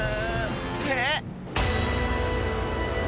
えっ！